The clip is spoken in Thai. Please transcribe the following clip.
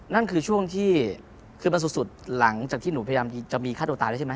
นั่นคือช่วงที่คือมันสุดหลังจากที่หนูพยายามจะมีฆ่าตัวตายแล้วใช่ไหม